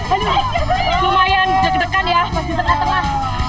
ini lumayan deg degan ya masih tengah tengah